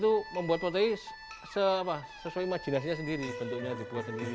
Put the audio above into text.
dulu awalnya pembuat pembuat potehi itu sesuai imajinasinya sendiri bentuknya dibuat sendiri